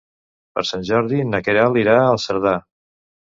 Per Sant Jordi na Queralt irà a Cerdà.